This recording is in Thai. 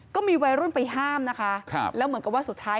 ก็มีวัยรุ่นไปห้ามนะคะครับแล้วเหมือนกับว่าสุดท้าย